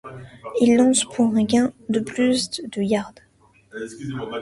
Il lance pour un gain de plus de yards.